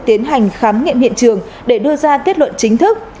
tiến hành khám nghiệm hiện trường để đưa ra kết luận chính thức